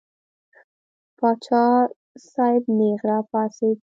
پاچا صاحب نېغ را پاڅېد.